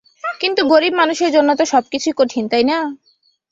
কিন্তু গরিব মানুষের জন্য তো সবকিছুই কঠিন, তাই না?